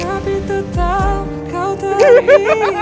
tapi tetap kau terhina